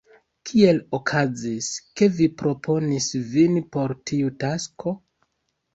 Kiel okazis, ke vi proponis vin por tiu tasko?